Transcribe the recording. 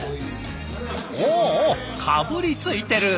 おおかぶりついてる。